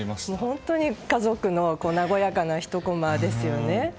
本当に家族の和やかなひとこまですよね。